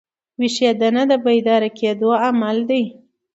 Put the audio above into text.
ویښېدنه د بیدار کېدو عمل دئ.